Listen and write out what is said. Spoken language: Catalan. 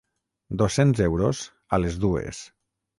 Dos cents euros, a les dues.